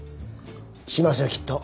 しますよきっと。